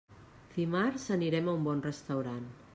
Dimarts anirem a un bon restaurant.